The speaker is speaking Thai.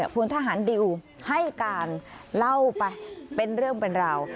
พลทหารดิวให้การเล่าไปเป็นเรื่องเป็นราว